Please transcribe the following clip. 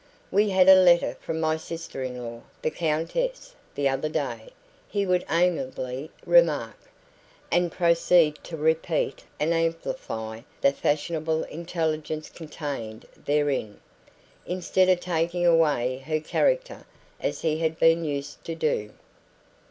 "We had a letter from my sister in law, the Countess, the other day," he would amiably remark, and proceed to repeat and amplify the fashionable intelligence contained therein, instead of taking away her character as he had been used to do.